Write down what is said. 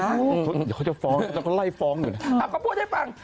เดี๋ยวเขาจะฟ้องเดี๋ยวเขาไล่ฟ้องหน่อยถ้าเขาพูดให้ฟัง